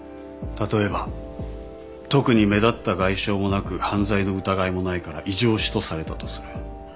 例えば特に目立った外傷もなく犯罪の疑いもないから異状死とされたとする。